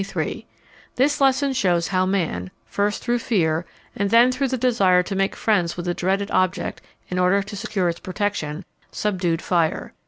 _ This lesson shows how man, first through fear and then through the desire to make friends with the dreaded object in order to secure its protection, subdued fire.